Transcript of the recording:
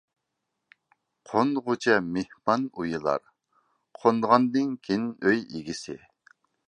قونغۇچە مېھمان ئۇيىلار، قونغاندىن كېيىن ئۆي ئىگىسى.